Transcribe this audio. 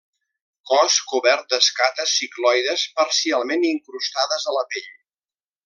Cos cobert d'escates cicloides parcialment incrustades a la pell.